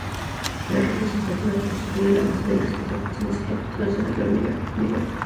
Esta capacidad representativa constituye la base del resto de funciones ejecutivas de mayor nivel.